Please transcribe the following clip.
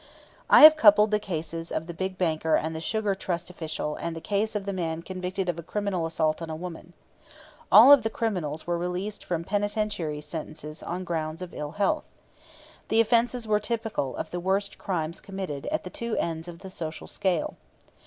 I have coupled the cases of the big banker and the Sugar Trust official and the case of the man convicted of a criminal assault on a woman. All of the criminals were released from penitentiary sentences on grounds of ill health. The offenses were typical of the worst crimes committed at the two ends of the social scale.